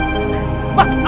abun bah abun